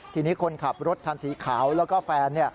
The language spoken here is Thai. ทีนี้คนขับรถคันสีขาวแล้วก็แฟน